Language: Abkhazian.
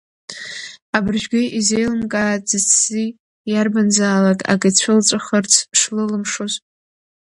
Абыржәгьы изеилымкааӡацзи иарбанзаалак ак ицәылҵәахырц шлылымшоз?